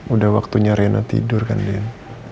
udah waktunya rena tidur kan din